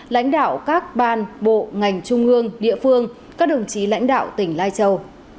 lãnh đạo các ban bộ ngành trung ương địa phương các đồng chí lãnh đạo tỉnh lai châu